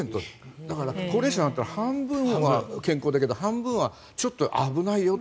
だから、高齢者になったら半分は健康だけど半分はちょっと危ないよと。